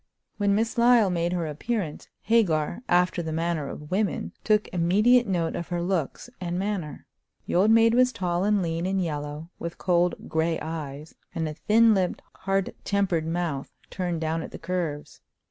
When Miss Lyle made her appearance, Hagar, after the manner of women, took immediate note of her looks and manner. The old maid was tall and lean and yellow, with cold gray eyes, and a thin lipped, hard tempered mouth, turned down at the curves.